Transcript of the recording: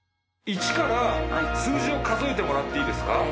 １から数字を数えてもらっていいですか？